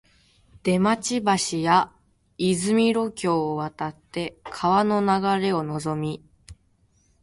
出町橋や出雲路橋を渡って川の流れをのぞみ、